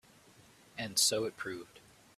And so it proved.